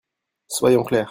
Soyons clairs.